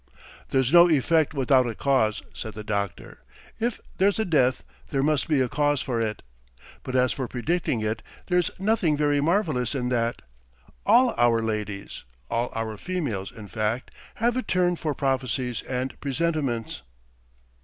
"There's no effect without a cause," said the doctor. "If there's a death there must be a cause for it. But as for predicting it there's nothing very marvellous in that. All our ladies all our females, in fact have a turn for prophecies and presentiments."